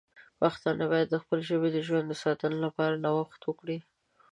پښتانه باید د خپلې ژبې د ژوند ساتنې لپاره نوښت وکړي.